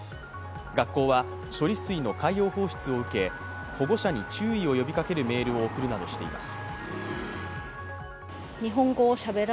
学校は処理水の海洋放出を受け保護者に注意を呼びかけるメールを送るなどしています。